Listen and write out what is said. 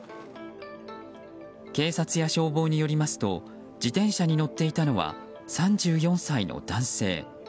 警察や消防によりますと自転車に乗っていたのは３４歳の男性。